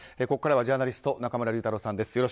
ここからはジャーナリスト中村竜太郎さんです。